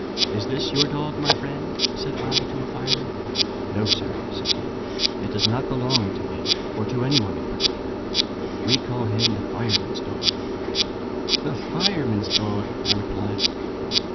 'Is this your dog, my friend?' said I to a fireman. 'No, sir,' answered he; it does not belong to me, or to any one in particular. We call him the firemen's dog.' 'The firemen's dog!' I replied.